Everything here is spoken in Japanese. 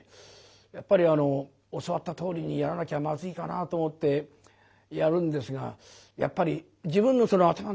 やっぱり教わったとおりにやらなきゃまずいかなと思ってやるんですがやっぱり自分の頭の中にね